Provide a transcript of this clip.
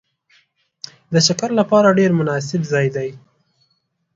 دا د چکر لپاره ډېر مناسب ځای دی